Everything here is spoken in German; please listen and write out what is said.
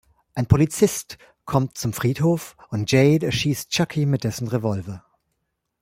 Ein Polizist kommt zum Friedhof und Jade erschießt Chucky mit dessen Revolver.